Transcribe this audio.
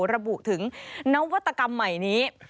ระบุถึงนวัตกรรมใหม่นี้